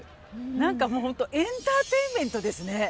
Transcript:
何かもうホントエンターテインメントですね。